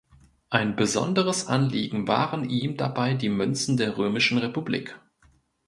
Ein besonderes Anliegen waren ihm dabei die Münzen der Römischen Republik.